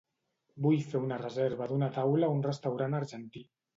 Vull fer una reserva d'una taula a un restaurant argentí.